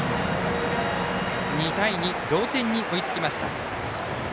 ２対２、同点に追いつきました。